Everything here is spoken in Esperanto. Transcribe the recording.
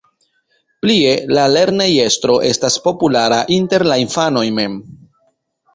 Plie, la lernejestro estas populara inter la infanoj mem.